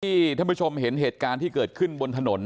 ท่านผู้ชมเห็นเหตุการณ์ที่เกิดขึ้นบนถนน